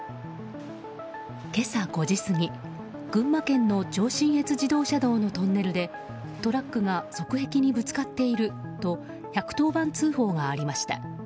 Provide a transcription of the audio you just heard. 今朝５時過ぎ、群馬県の上信越自動車道のトンネルでトラックが側壁にぶつかっていると１１０番通報がありました。